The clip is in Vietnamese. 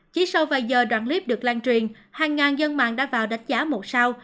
chỉ sau vài giờ đoạn clip được lan truyền hàng ngàn dân mạng đã vào đánh giá một sao